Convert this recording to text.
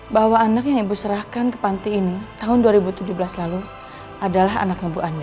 bahwa anak yang ibu serahkan ke panti ini tahun dua ribu tujuh belas lalu adalah anak ibu ani